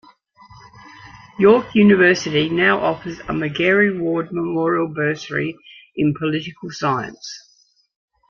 York University now offers a Margery Ward Memorial Bursary in Political Science.